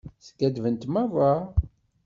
Skaddbent merra.